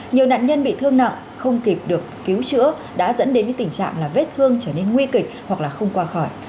nhiều nạn nhân bị thương nặng không kịp được cứu chữa đã dẫn đến tình trạng là vết thương trở nên nguy kịch hoặc là không qua khỏi